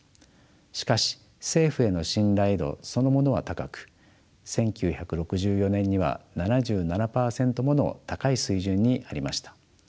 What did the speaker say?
しかし政府への信頼度そのものは高く１９６４年には７７％もの高い水準にありました。